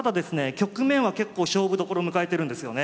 局面は結構勝負どころ迎えてるんですよね。